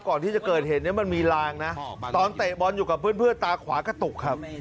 ก่อนที่จะเกิดเหตุนี้มันมีลางนะตอนเตะบอลอยู่กับเพื่อนตาขวากระตุกครับ